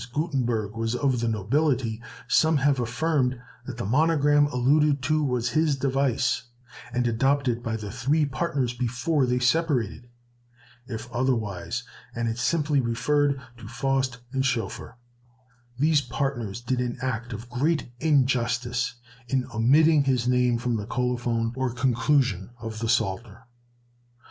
As Gutenberg was of the nobility, some have affirmed that the monogram alluded to was his device, and adopted by the three partners before they separated; if otherwise, and it simply referred to Faust and Schoeffer, these partners did an act of great injustice in omitting his name from the colophon or conclusion of the Psalter.